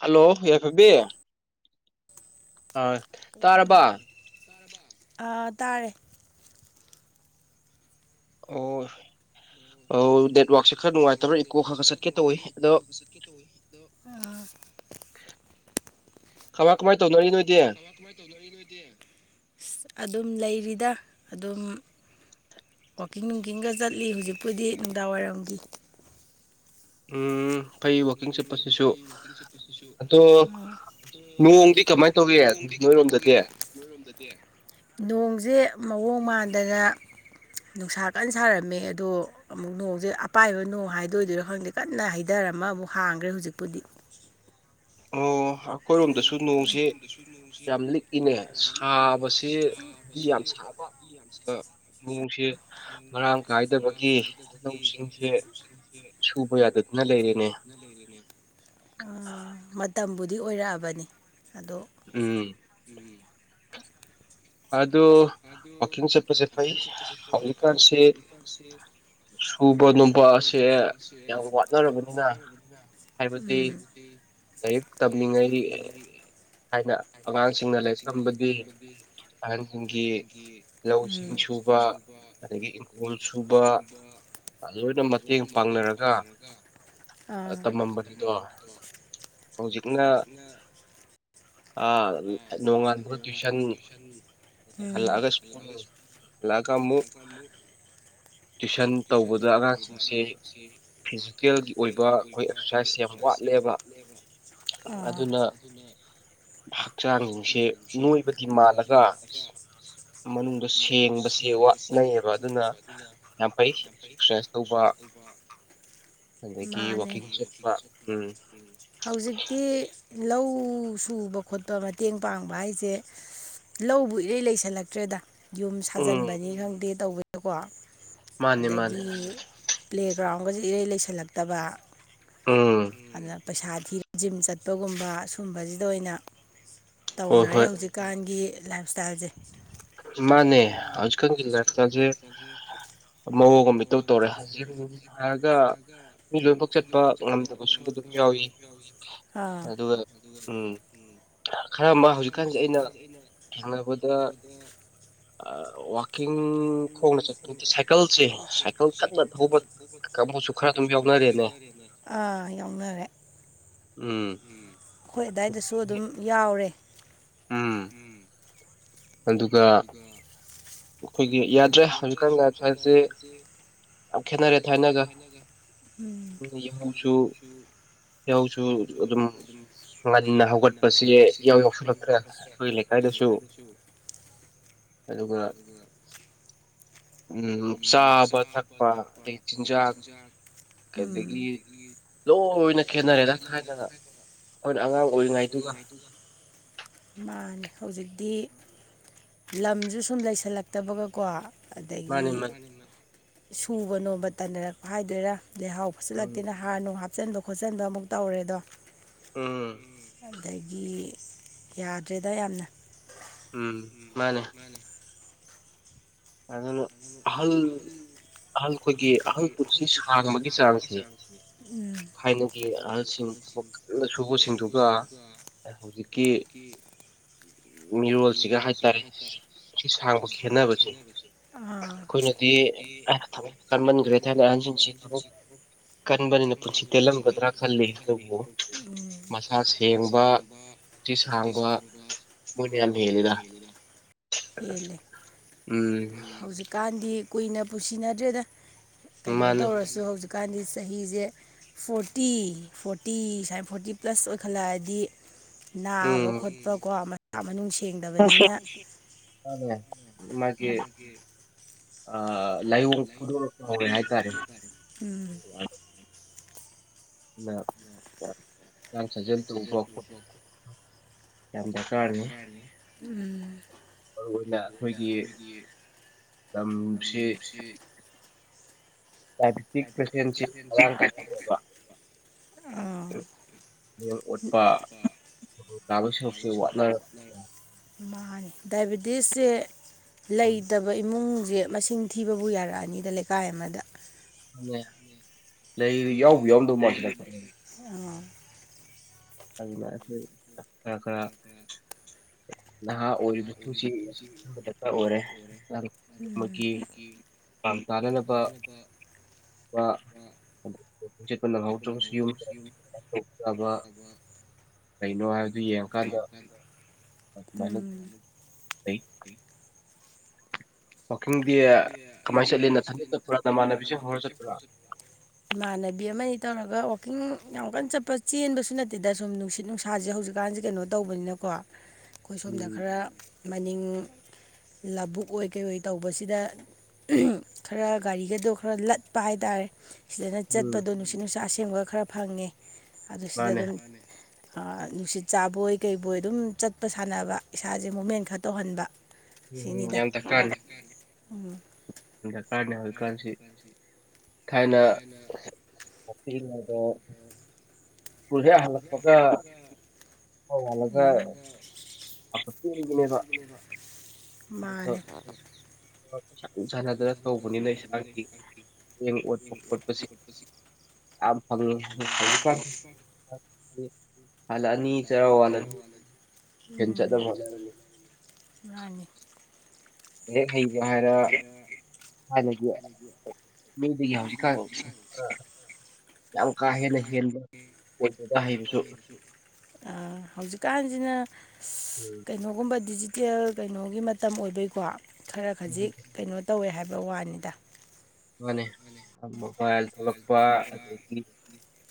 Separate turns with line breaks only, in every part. ꯍꯜꯂꯣꯐ
ꯑꯥ ꯇꯥꯔꯦ
ꯑꯣ ꯅꯦꯠ
ꯦꯥꯛꯁ ꯈꯔ ꯅꯨꯡꯉꯥꯏꯇꯕ꯭ꯔꯥ ꯏꯄꯣ ꯈꯕ ꯆꯠꯀꯦ ꯇꯧꯋꯤ ꯑꯗꯣ
ꯈꯋꯥ ꯈꯃꯥꯏ ꯇ ꯅꯔꯤ ꯅ
ꯑꯗꯨꯝ ꯂꯩꯔꯤꯗ ꯑꯗꯨꯝ ꯋꯥꯋꯥꯛꯀꯤꯡ ꯅꯨꯡꯀꯤꯡꯒ ꯆꯠꯂꯤ ꯍꯧꯖꯤꯛꯄꯨꯗꯤ ꯅꯨꯡꯗꯥꯡ ꯋꯥꯏꯔꯝꯒꯤ
ꯎꯝ ꯐꯩ ꯋꯥꯛꯀꯤꯡ ꯆꯠꯄꯁꯤꯁꯨ ꯑꯗꯣ ꯅꯣꯡꯗꯤ ꯀꯃꯥꯏꯅ ꯇꯧꯒ
ꯅꯣꯡꯁꯦ ꯃꯑꯣꯡ ꯃꯥꯟꯗꯅ ꯅꯨꯡꯁꯥ ꯀꯟꯅ ꯁꯥꯔꯝꯃꯦ ꯑꯗꯣ ꯑꯃꯨꯛ ꯅꯣꯡꯁꯦ ꯑꯄꯥꯏꯕ ꯅꯣꯡ ꯍꯥꯏꯗꯣꯏꯗꯨꯣꯏꯔꯣ ꯈꯪꯗꯦ ꯀꯟꯅ ꯍꯩꯊꯔꯝꯃ ꯑꯃꯨꯛ ꯍꯥꯡꯈ꯭ꯔꯦ ꯍꯧꯖꯤꯛꯄꯨꯗꯤ
ꯑꯣ ꯑꯩꯈꯣꯏꯔꯣꯝꯗꯁꯨ ꯅꯣꯡꯁꯤꯦ ꯌꯥꯝ ꯂꯤꯛꯏꯅꯦ ꯁꯥꯕꯕꯁꯤꯗꯤ ꯌꯥꯝ ꯁꯥ
ꯏ ꯌꯥꯝꯁꯤ
ꯃ ꯁꯤ ꯉꯔꯥꯡ
ꯃꯔꯥꯡ ꯀꯥꯏꯗꯕꯒꯤ ꯄꯁꯤꯡꯁꯦ ꯁꯨꯕ ꯌꯥꯗꯗꯅ ꯂꯩꯔꯤꯅꯦꯕ ꯃꯇꯝꯕꯨꯗꯤ ꯑꯣꯏꯔꯛꯑꯕꯅꯤ ꯑꯗꯣ
ꯎꯝ
ꯎ
ꯑꯗꯣ ꯋꯀꯤꯡ ꯆꯠꯄꯁꯦ ꯐꯩ ꯍꯧꯖꯤꯛꯀꯥꯟꯁꯤꯦ ꯁꯨꯕ ꯅꯣꯝꯕ ꯑꯁꯦ ꯌꯥꯝ ꯋꯥꯠꯅꯔꯕꯅꯤꯅ ꯍꯥꯏꯕꯗꯤ ꯂ ꯇꯕꯅꯤꯉ ꯍꯥꯏꯅ ꯑꯉꯥꯡꯁꯤꯡꯅ ꯂꯥꯏꯔꯤꯛ ꯇꯝꯕꯗꯤ
ꯍꯒꯤꯁꯤꯡ ꯁꯨꯕ ꯑꯗꯒꯤ ꯁꯨꯕ
ꯂꯣꯏꯅ ꯃꯇꯦꯡ ꯄꯥꯡꯅꯔꯒ ꯇꯝꯃꯝꯕꯅꯤꯗꯣ ꯍꯧꯖꯤꯅ ꯅꯣꯡꯉꯥꯟꯕ ꯇꯨꯋꯏꯁꯟ ꯑꯗꯒꯤ ꯍꯜꯂꯛꯑꯒ ꯁ꯭ꯀꯨꯜ
ꯂꯒꯥ ꯃꯨꯛ
ꯇꯨꯏꯤꯁꯟ ꯇꯧꯕꯗ ꯑꯉꯥꯡꯁꯤꯡꯁꯦ
[unintelligible]
ꯍꯛꯆꯥꯡꯁꯤꯡꯁꯦ ꯅꯣꯏꯕꯗꯤ ꯃꯥꯜꯂꯒ ꯃꯅꯨꯡꯗ ꯁꯦꯡꯕꯁꯦ ꯋꯥꯠꯅꯩꯌꯦꯕ ꯑꯗꯨꯅ ꯌꯥꯝ
ꯑꯄꯦꯁ ꯃꯥꯅꯦ ꯍꯧꯖꯤꯛꯇꯤ ꯂꯧ ꯁꯨꯕ ꯈꯣꯠꯄ ꯃꯇꯦꯡ ꯄꯥꯡꯕ ꯍꯥꯏꯁꯦ ꯂꯧꯧꯕ ꯏꯔꯩ ꯂꯩꯁꯜꯂꯛꯇ꯭ꯔꯦꯗ ꯌꯨꯝ ꯁꯥꯖꯟꯕꯅꯤ ꯈꯪꯗꯦ ꯇꯧꯕꯦꯀꯣ ꯑꯗꯒꯤ ꯄ꯭ꯂꯦꯒ꯭ꯔꯥꯎꯟ ꯈꯒꯁꯦ ꯏꯔꯩ ꯂꯩꯁꯜꯂꯛꯇꯕ ꯑꯗꯨꯅ ꯄꯩꯁꯥ ꯊꯤꯔ ꯖꯤꯝ ꯆꯠꯄꯒꯨꯝꯕ ꯁꯨꯝꯕꯁꯤꯗ ꯑꯣꯏꯅ ꯇꯧꯅꯔꯦ ꯍꯧꯖꯤꯛꯀꯥꯟꯒꯤ ꯂꯥꯏꯞ ꯏꯁꯇꯥꯏꯜꯁꯦ
ꯃꯥꯅꯦ ꯍꯧꯖꯤꯀꯪꯒꯤ ꯂꯥꯛꯇꯥꯖꯦ ꯃꯑꯣꯡ ꯑꯃ ꯃꯤ ꯇꯧ ꯇꯧꯔꯦ ꯖꯤꯝ ꯍꯥꯏꯔꯒ ꯃꯤ ꯂꯣꯏꯅꯃꯛ ꯆꯠꯄ ꯉꯝꯗꯕꯁꯨ ꯑꯗꯨꯝ ꯌꯥꯋ ꯑꯗꯨꯒ ꯎꯝ ꯈꯔ ꯑꯃ ꯍꯧꯖꯤꯛꯀꯥꯟꯁꯦ ꯑꯩꯅ ꯊꯦꯡꯅꯕꯗ ꯑ ꯋꯥꯀꯤ ꯈꯅ ꯆ ꯁꯥꯏ
ꯑꯥ ꯌ ꯑꯩ ꯑꯏ ꯌꯥ ꯐꯥꯎꯔꯦ ꯑꯗꯨꯒ
ꯑꯩꯈꯣꯏꯒꯤ ꯌꯥꯗ꯭ꯔꯦ ꯍꯧꯖꯤꯛꯀꯥꯟ ꯂꯥꯏꯐꯁ ꯍꯥꯏꯁꯦ
ꯈꯦꯅꯔꯦ ꯊꯥꯏꯅꯖꯁꯨ
ꯌꯥꯍꯎꯁꯨ ꯑꯗꯨꯝ ꯉꯟꯅ ꯍꯧꯒꯠꯄꯁ ꯏꯌꯥꯎ ꯌꯥꯎꯁꯜꯂꯛꯇ꯭ꯔꯦ ꯑꯩꯈꯣꯏ ꯂꯩꯀꯥꯏꯗ
ꯅꯤ ꯀꯥꯏꯗꯁꯨ
ꯑꯗꯨꯒ ꯎꯝ ꯆꯥꯕ ꯊꯛꯄ ꯑꯗꯩ ꯆꯤꯟꯖꯥꯛ
ꯎꯝ ꯑꯗꯒꯤ ꯂꯣꯏꯅ ꯈꯦꯠꯅꯔꯦ
ꯑꯩꯈꯣꯏꯅ ꯑꯉꯥꯡ ꯑꯣꯏꯔꯤꯉꯩꯗꯨꯒ
ꯃꯥꯅꯦ ꯍꯧꯖꯤꯛꯇꯤ ꯂꯝꯁꯨ ꯁꯨꯝ ꯂꯩꯁꯜꯂꯛꯇꯕꯒꯀꯣ ꯑꯗꯒꯤ ꯁꯨꯕ ꯅꯣꯝꯕ ꯇꯟꯅꯔꯛꯄ ꯍꯥꯏꯗꯣꯏꯔꯥ ꯂꯩꯍꯥꯎ ꯐꯆꯜꯂꯛꯇꯦꯅ ꯍꯥꯔ ꯅꯨꯡ ꯍꯥꯞꯆꯤꯟꯕ ꯈꯣꯠꯆꯤꯟꯕ ꯑꯃꯨꯛ ꯇꯧꯔꯦ ꯑꯗꯣ
ꯎꯝ
ꯑꯗꯒꯤ ꯌꯥꯗ꯭ꯔꯦꯗ ꯌꯥꯝꯅ
ꯎꯝ ꯃꯥꯅꯦ ꯑꯅꯣ ꯑꯍꯜ
ꯑꯍꯜꯒꯤ ꯑꯍꯜꯁꯤ ꯁꯥꯡꯕꯒꯤ ꯆꯥꯡꯁꯦ ꯁꯤꯡ ꯑꯆꯕꯁꯤꯡꯗꯨꯒ
ꯍꯧꯖꯤꯛꯀꯤ ꯃꯤꯔꯣꯜꯁꯤꯒ ꯍꯥꯏꯇꯥꯔꯦ ꯁꯤ ꯁꯥꯡꯕ ꯈꯦꯅꯕꯁꯦ
ꯑ [unintelligible]
ꯁꯥꯡꯕ ꯃꯣꯏꯅ ꯌꯥꯝ ꯍꯦꯜꯂꯤꯗ
[unintelligible] ꯍꯧꯖꯤꯛꯀꯥꯟꯗꯤ ꯀꯨꯏꯅ ꯄꯨꯁꯤꯅꯗ꯭ꯔꯦꯗ ꯀꯩꯅꯣ ꯇꯧꯔꯁꯨ ꯍꯧꯖꯤꯛꯀꯥꯟꯗꯤ ꯆꯍꯤꯁꯦ ꯐꯣꯔꯇꯤ ꯐꯣꯔꯇꯤ ꯁꯨꯃꯥꯏ ꯐꯣꯔꯇꯤ ꯄ꯭ꯂꯁ ꯑꯣꯏꯈꯠꯂꯛꯑꯗꯤ ꯅꯥꯕ ꯈꯣꯠꯄ ꯀꯣ ꯃꯁꯆꯥ ꯃꯅꯨꯡꯁꯤ
ꯃꯥꯒꯤ
[unintelligible]
ꯂꯥꯏꯑꯣꯡ ꯐꯨꯗꯣꯔꯛꯄ ꯍꯧꯔꯦ ꯍꯥꯏꯇꯥꯔꯦ [unintelligible]
ꯎꯝ
ꯃꯔꯨ ꯑꯣꯏꯅ ꯑꯩꯈꯣꯏꯒꯤ ꯂꯝꯁꯤ ꯗꯥꯏꯕꯦꯇꯤꯛ ꯄꯦꯁꯦꯟꯁꯤꯡ ꯃꯔꯥꯡ ꯀꯥꯏꯕ ꯑꯣꯏꯕ ꯑꯣꯠꯄ ꯇꯕ ꯁꯔꯨꯛꯁꯦ ꯋꯥꯠꯅꯔꯛꯄ
ꯃꯥꯅꯤ ꯗꯥꯏꯕꯤꯦꯇꯤꯁꯁꯦ ꯂꯩꯇꯕ ꯏꯃꯨꯡ ꯍꯧꯖꯤꯛ ꯃꯁꯤꯡ ꯊꯤꯕꯕꯨ ꯌꯥꯔꯛꯑꯅꯤꯗ ꯂꯩꯀꯥꯏ ꯑꯃꯗ
ꯑꯗꯨꯅꯦ
[unintelligible]
ꯑꯩꯈꯣꯏ ꯈꯔ ꯈꯔ ꯅꯍꯥ ꯑꯣꯏꯔꯤꯕꯁꯤꯡꯁꯤ ꯌꯥꯝꯅ ꯗꯔꯀꯥꯔ ꯑꯣꯏꯔꯦ ꯍꯛꯆꯥꯡ ꯑꯃꯒꯤ ꯍꯨꯃꯥꯡ ꯇꯥꯅꯅꯕ [unintelligible] ꯀꯩꯅꯣ ꯍꯥꯏꯕꯗꯨ ꯌꯦꯡꯉꯀꯥꯟꯗ
ꯎꯝ
[unintelligible] ꯋꯋꯥꯛꯀꯤꯡꯗꯤ ꯀꯃꯥꯏꯅ ꯆꯠꯂꯤ ꯅꯊꯟꯗ ꯆꯠꯄ꯭ꯔꯥ ꯅꯃꯥꯟꯅꯕꯤꯁꯤꯡ ꯍꯧꯔ ꯆꯠꯄ꯭ꯔꯥ
ꯏꯃꯥꯟꯅꯕꯤ ꯑꯃ ꯇꯧꯔꯒ ꯋꯥꯛꯀꯤꯡ ꯌꯥꯝ ꯀꯟꯅ ꯆꯠꯄ ꯆꯦꯟꯕꯁꯨ ꯅꯠꯇꯦꯗ ꯁꯨꯝ ꯅꯨꯡꯁꯤꯠ ꯅꯨꯡꯁꯥꯁꯦ ꯍꯧꯖꯤꯛꯀꯥꯟꯁꯦ ꯀꯩꯅꯣ ꯇꯧꯕꯅꯤꯅ ꯀꯣ ꯑꯩꯈꯣꯏ ꯁꯣꯝꯗ ꯈꯔ ꯃꯅꯤꯡ ꯂꯧꯕꯨꯛ ꯑꯣꯏ ꯀꯩ ꯑꯣꯏ ꯇꯧꯕ ꯇꯧꯕ ꯁꯤꯗ ꯈꯔ ꯒꯥꯔꯤꯒꯗꯣ ꯈꯔ ꯂꯠꯄ ꯍꯥꯏꯇꯥꯔꯦ ꯁꯤꯗꯅ ꯆꯠꯄꯗꯣ ꯅꯨꯡꯁꯤꯠ ꯅꯨꯡꯁꯥ ꯑꯁꯦꯡꯕ ꯈꯔ ꯐꯪꯉꯦ ꯑꯗꯨ ꯁꯤꯗ ꯑꯗꯨꯝ ꯅꯨꯡꯁꯤꯠ ꯆꯥꯕꯣꯏ ꯀꯩꯕꯣꯏ ꯑꯗꯨꯝ ꯆꯠꯄ ꯁꯥꯟꯅꯕ ꯏꯁꯥꯁꯦ ꯃꯨꯃꯦꯟ ꯈꯔ ꯇꯧꯍꯟꯕ
ꯎꯝꯝ ꯌꯥꯝ ꯗꯔꯀꯥꯅꯤ
ꯎꯝ
ꯗꯔꯀꯥꯔꯅꯤ ꯍꯧꯖꯤꯛꯀꯥꯟꯁꯤ ꯊꯥꯏꯅ [unintelligible]
ꯎꯝ ꯃꯥꯟꯅꯤ
ꯁꯥꯟꯅꯗꯅ ꯇꯧꯕꯅꯤꯅ ꯏꯁꯥꯒꯤ ꯂꯦꯡ ꯑꯣꯠꯄ ꯈꯣꯠꯄꯁꯤ [unintelligible] ꯍꯂꯛꯑꯅꯤ ꯆꯔ ꯋꯥꯜꯂꯅꯤ ꯇꯨꯏꯁꯟ ꯆꯠꯅ ꯍꯣꯠꯅꯔꯅꯤ ꯂꯥꯏꯔꯤꯛ ꯍꯩꯕ ꯍꯥꯏꯔ
[unintelligible]
ꯃꯤꯗꯒꯤ ꯍꯧꯖꯤꯛꯀꯥꯟ ꯑꯥ ꯌꯥꯝ ꯀꯥ ꯍꯦꯟꯅ ꯍꯦꯟꯕ
ꯑ ꯍꯧꯖꯤꯛꯀꯥꯟꯁꯤꯅ ꯀꯩꯅꯣꯒꯨꯝꯕ ꯗꯤꯖꯤꯇꯦꯜ ꯀꯩꯅꯣꯒꯤ ꯃꯇꯝ ꯑꯣꯏꯕꯩꯀꯣ ꯈꯔ ꯈꯖꯤꯛ ꯀꯩꯅꯣ ꯇꯧꯋꯦ ꯍꯥꯏꯕ ꯋꯥꯅꯤꯗ
ꯋꯥꯅꯦ ꯊꯃꯣ ꯃꯣꯕꯥꯏꯜ ꯊꯣꯛꯂꯛꯄ ꯑꯗꯒꯤ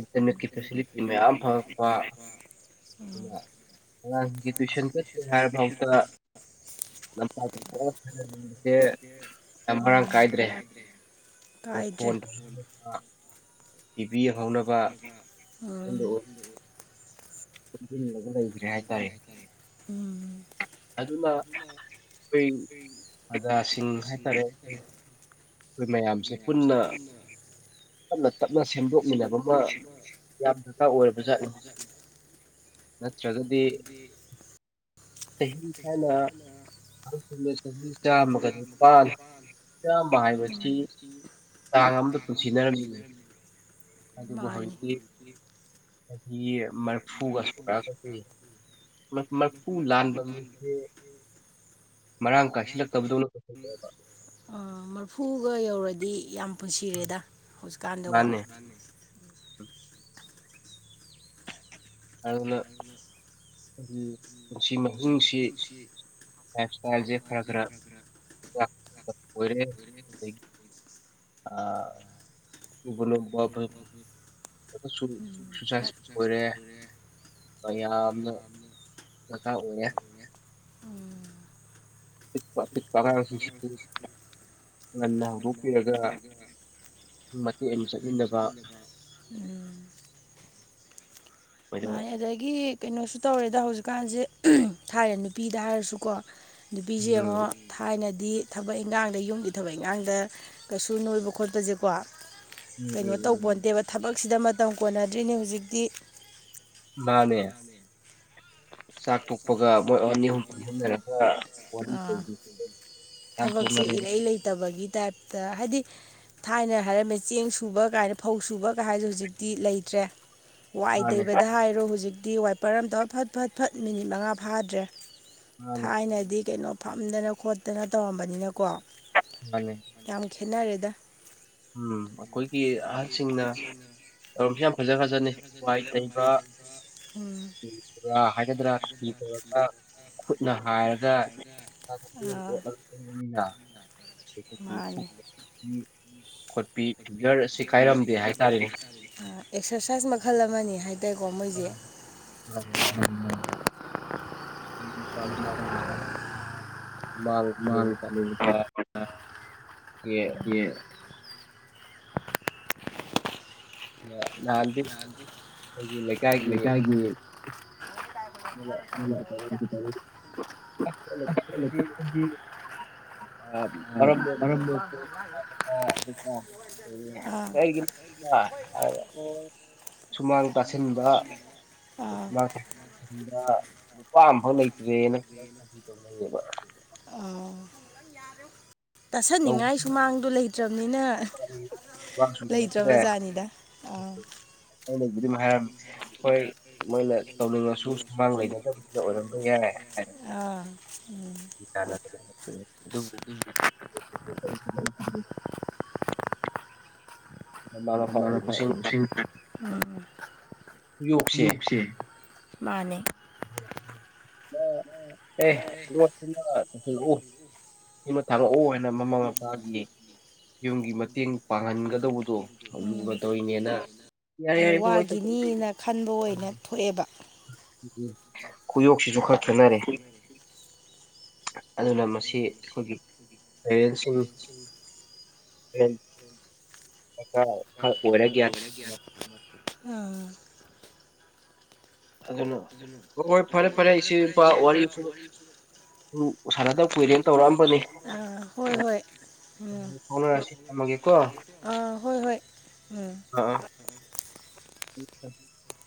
ꯏꯟꯇꯔꯅꯦꯠꯀꯤ ꯐꯦꯁꯤꯂꯤꯇꯤ ꯃꯌꯥꯝ ꯊꯣꯛꯂꯛꯄ ꯑꯉꯥꯡꯁꯤꯡꯒꯤꯒꯤ ꯇꯨꯋꯏꯁꯟ ꯆꯠꯀꯦ ꯍꯥꯏꯔꯐꯥꯎꯗ ꯂꯝꯄꯥꯛ ꯑꯣꯁꯦ ꯌꯥꯝ ꯃꯔꯥꯡ ꯀꯥꯏꯗ꯭ꯔꯦ ꯑꯩꯣꯏ ꯐꯣꯟ
ꯑꯣ
ꯄꯨꯟꯁꯤꯟꯅꯒ ꯂꯩꯈ꯭ꯔꯦ ꯍꯥꯏꯇꯥꯔꯦ ꯑꯗꯨꯅ ꯑꯩꯈꯣꯏ ꯑꯖꯁꯤꯡ ꯍꯥꯏꯇꯥꯔꯦ ꯑꯩꯈꯣꯏ ꯑꯩꯈꯣꯏ ꯃꯌꯥꯝꯁꯦ ꯄꯨꯟꯅ ꯇꯞꯅ ꯇꯞꯅ ꯁꯦꯝꯗꯣꯛꯃꯤꯟꯅꯕ ꯑꯃ ꯌꯥꯝ ꯗꯔꯀꯥꯔ ꯑꯣꯏꯔꯕꯖꯥꯠꯅꯤ ꯅꯠꯇ꯭ꯔꯒꯗꯤ ꯆꯍꯤ ꯊꯥꯏꯅ ꯆꯥꯃꯒꯄꯥ ꯍꯥꯏꯕꯁꯤ ꯆꯥꯡ ꯑꯃꯗ ꯄꯨꯟꯁꯤꯟꯅꯔꯝꯃꯤ
ꯃꯥꯅꯤ
ꯍ ꯃꯔꯔꯐꯨꯒꯁꯣꯒ ꯀꯁꯤ ꯃ ꯐꯨ ꯂꯥꯟ ꯟ ꯃꯔꯥꯡ ꯀꯥꯏꯁꯤꯜꯂꯛꯇꯕꯗꯧꯅ ꯈꯟꯖꯔꯕ
ꯐꯨꯒ ꯌꯧꯔꯗꯤ ꯌꯥꯝ ꯄꯨꯟꯁꯤꯔꯦꯗ ꯍꯧꯖꯤꯛꯀꯥꯟꯗꯀꯣ
ꯑꯗꯨꯅ ꯑꯩꯈꯣꯏꯒꯤ ꯄꯨꯟꯁꯤ ꯃꯍꯤꯡꯁꯤ ꯂꯥꯏꯐ ꯁꯇꯥꯏꯜꯁꯦ ꯈꯔ ꯈꯔ ꯑꯣꯏꯔ ꯑꯥ ꯎꯕ ꯁꯁ ꯑꯣꯏꯔꯦ ꯑ ꯑꯅ ꯑꯄꯤꯛꯄ ꯑꯄꯤꯛꯄ ꯑꯉꯥꯡꯕꯁꯤꯡꯁꯤꯁꯨ ꯉꯟꯅ ꯍꯧꯗꯣꯛꯄꯤꯔꯒ
[unintelligible] ꯃꯥꯅꯦ ꯑꯗꯨꯗꯒꯤ ꯀꯩꯅꯣꯁꯨ ꯇꯧꯔꯦꯗ ꯍꯧꯖꯤꯛꯀꯥꯟꯁꯦ ꯊꯥꯏꯔꯦ ꯅꯨꯄꯤꯗ ꯍꯥꯏꯔꯁꯨꯀꯣ ꯅꯨꯄꯤꯁꯦ ꯑꯃꯉꯛ ꯊꯥꯏꯅ ꯗꯤ ꯊꯕꯛ ꯏꯟꯈꯥꯡꯗ ꯌꯨꯝꯒꯤ ꯊꯕꯛ ꯏꯟꯈꯥꯡꯗ ꯀꯩꯁꯨ ꯅꯣꯏꯕ ꯈꯣꯠꯄꯁꯦꯀꯣ ꯀꯩꯅꯣ ꯇꯧ ꯄꯣꯟꯇꯦꯕ ꯊꯕꯛꯁꯤꯗ ꯃꯇꯝ ꯀꯣꯟꯅꯗ꯭ꯔꯤꯅꯦ ꯍꯧꯖꯤꯛꯇꯤ
ꯃꯥꯅꯦ ꯆꯥꯛ ꯇ‌ꯣꯛꯄꯒ ꯃ‌ꯣꯏ ꯑꯅꯤ ꯑꯍꯨꯝ ꯄꯨꯟꯖꯟꯔꯒ ꯋꯥꯔꯤ
ꯊꯕꯛꯁꯦ ꯏꯔꯩ ꯂꯩꯇꯕꯒꯤ ꯇꯥꯏꯞꯇ ꯍꯥꯏꯗꯤ ꯊꯥꯏꯅ ꯍꯥꯏꯔꯝꯃꯦ ꯆꯦꯡ ꯁꯨꯕ ꯀꯥꯏꯅ ꯐꯧ ꯁꯨꯕ ꯀꯥꯏꯁꯨ ꯍꯧꯖꯤꯛꯇꯤ ꯂꯩꯇ꯭ꯔꯦ ꯋꯥꯏ ꯇꯩꯕꯗ ꯍꯥꯏꯔꯣ ꯍꯧꯖꯤꯛꯇꯤ ꯋꯥꯏꯄꯔ ꯑꯃꯇꯧ ꯐꯠ ꯐꯠ ꯐꯠ ꯃꯤꯅꯤꯠ ꯃꯉꯥ ꯐꯥꯗ꯭ꯔꯦ ꯊꯥꯏꯅꯗꯤ ꯀꯩꯅꯣ ꯐꯝꯗꯅ ꯈꯣꯠꯇꯅ ꯇꯧꯔꯝꯕꯅꯤꯅꯀꯣ
ꯃꯥꯂꯦ
ꯈꯦꯠꯅꯔꯦꯗ
ꯎꯝ ꯑꯩꯈꯣꯏꯒꯤ ꯑꯍꯜꯁꯤꯡꯅ ꯇꯧꯔꯝꯁꯨ ꯌꯥꯝ ꯐꯖ ꯐꯖꯅꯤ ꯋꯥꯏ ꯇꯩꯕ [unintelligible] ꯍꯥꯏꯒꯗ꯭ꯔꯥ ꯇꯧꯔꯒ ꯈꯨꯠꯅ ꯍꯥꯏꯔꯒ ꯑꯣꯠꯂꯒ [unintelligible]
[unintelligible] ꯑꯦꯛꯁꯔꯁꯥꯏꯁ ꯃꯈꯜ ꯑꯃꯅꯤ ꯍꯥꯏ ꯀꯣ ꯃꯣꯏꯁꯦ
[unintelligible] [unintelligible] ꯅꯍꯟꯗꯤ ꯑꯩꯈ‌ꯣꯏꯒꯤ ꯂꯩꯀꯥꯏꯒꯤ
[unintelligible]
[unintelligible]
[unintelligible]
ꯑ ꯃꯔꯝ ꯃ‌ꯣꯛꯄ ꯍꯥꯏꯒꯗꯔ [unintelligible] ꯀꯒꯤ [unintelligible] ꯁꯨꯃꯥꯡ
ꯑꯥ
ꯅꯨꯄꯥ ꯑꯃꯐꯥꯎ ꯂꯩꯇ ꯇꯔ‌ꯦꯅ [unintelligible]
ꯇꯥꯁꯟꯅꯤꯡꯉꯥꯏ ꯁꯨꯃꯥꯡꯗꯣ ꯂꯩꯇ꯭ꯔꯝꯅꯤꯅ ꯂꯩꯇ꯭ꯔꯕ ꯖꯥꯠꯅꯤꯗ ꯑꯡ
ꯑꯩꯅꯕꯨꯗꯤꯝ ꯍꯥꯏꯔꯝꯃꯤ ꯍꯣꯏ ꯃꯣꯏꯅ ꯇꯧꯅꯤꯡꯉꯁꯨ ꯁꯨꯃꯥꯡ ꯂꯩꯅꯗꯕꯁꯤꯗ ꯑꯣꯏꯔꯝꯕ ꯌꯥꯏ ꯍꯥꯏꯅ [unintelligible]
[unintelligible] [unintelligible]
ꯌꯣꯛꯁꯦ
ꯃꯥꯅꯦ
ꯑꯦ [unintelligible] ꯁꯤꯃꯥ ꯊꯥꯡꯉꯛꯑꯣ ꯍꯥꯏꯅ ꯃꯃꯥ ꯃꯄꯥꯒꯤ ꯌꯨꯝꯒꯤ ꯃꯇꯦꯡ ꯄꯥꯡꯍꯟꯒꯗꯧꯕꯗꯣ ꯂꯨꯔ ꯇꯧꯔꯤꯅꯦꯅ
ꯃꯥꯅꯤ ꯋꯥꯒꯤꯅꯤꯅ ꯈꯟꯕ ꯑꯣꯏꯅ ꯊꯣꯛꯑꯦꯕ
ꯎ ꯈꯨꯌꯣꯛꯁꯤꯁꯨ ꯈꯔ ꯈꯦꯠꯅꯔꯦ ꯑꯗꯨꯅ ꯃꯁꯤ ꯁꯤ ꯑꯩꯈꯣꯏꯒꯤ ꯄꯦꯔꯦꯟꯁꯤꯡ
[unintelligible] ꯑꯥ
ꯑꯗꯨꯅ ꯍꯣꯏ ꯍꯣꯏ ꯐꯔꯦ ꯐꯔꯦ ꯏꯆꯦ ꯏꯄꯥ ꯋꯥꯔꯤꯁꯨ
[unintelligible] ꯑꯥ ꯍꯣꯏ ꯍꯣꯏ ꯎꯝ ꯊꯝꯃꯒ‌ꯦꯀ‌ꯣ ꯑꯥ ꯍꯣꯏ ꯍꯣꯏ ꯎꯝ
[unintelligible]